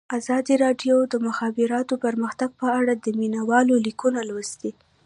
ازادي راډیو د د مخابراتو پرمختګ په اړه د مینه والو لیکونه لوستي.